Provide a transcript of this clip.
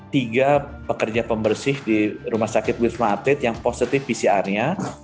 tiga pekerja pembersih di rumah sakit wisma atlet yang positif pcr nya